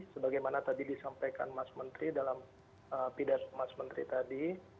sebagaimana tadi disampaikan mas menteri dalam pidas mas menteri tadi